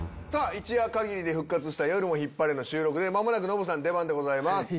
さあ、一夜限りで復活した夜もヒッパレの収録で、まもなくノブさん、出番でございます。